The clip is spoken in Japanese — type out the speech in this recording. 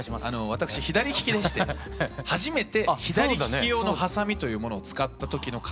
私左利きでして初めて左利き用のハサミというものを使った時の感動みたいなもの。